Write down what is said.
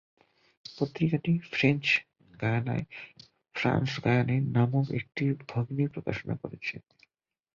পত্রিকাটির French গায়ানায়, "ফ্রান্স-গায়ানে" নামক একটি ভগিনী প্রকাশনা প্রকাশনা রয়েছে।